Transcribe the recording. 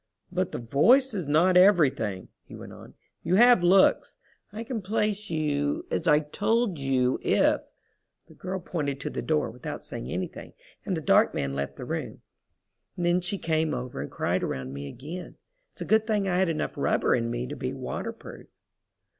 "But the voice is not everything," he went on. "You have looks. I can place you, as I told you if—" The girl pointed to the door without saying anything, and the dark man left the room. And then she came over and cried around me again. It's a good thing I had enough rubber in me to be water proof.